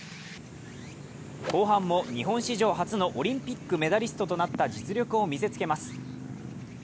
後半も日本史上初のオリンピックメダリストとなった実力を見せつけます。